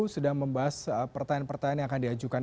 sedang membahas pertanyaan pertanyaan yang akan diajukan